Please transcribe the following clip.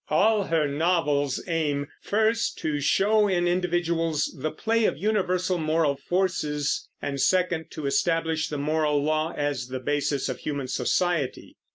All her novels aim, first, to show in individuals the play of universal moral forces, and second, to establish the moral law as the basis of human society.